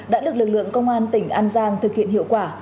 đã được lực lượng công an tỉnh an giang thực hiện hiệu quả